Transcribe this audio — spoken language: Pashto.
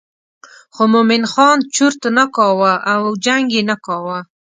خو مومن خان چرت نه کاوه او جنګ یې نه کاوه.